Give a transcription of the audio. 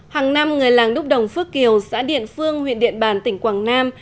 hàng năm người làng đúc đồng phước kiều xã điện phương huyện điện bàn tỉnh quảng nam